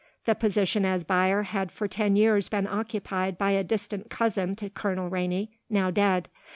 The position as buyer had for ten years been occupied by a distant cousin to Colonel Tom, now dead.